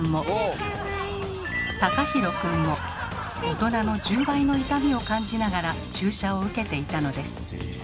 大人の１０倍の痛みを感じながら注射を受けていたのです。